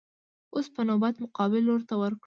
اوس به نوبت مقابل لور ته ورکړو.